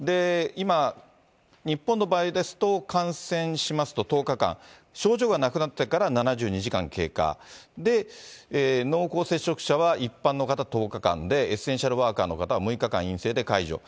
今、日本の場合ですと、感染しますと１０日間、症状がなくなってから７２時間経過、濃厚接触者は、一般の方は１０日間で、エッセンシャルワーカーの方は６日間陰性で解除。